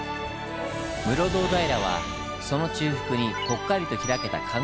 室堂平はその中腹にぽっかりと開けた観光地。